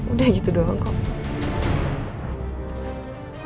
udah gitu doang kok